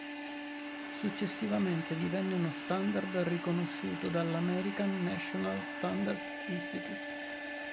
Successivamente divenne uno standard riconosciuto dalla American National Standards Institute.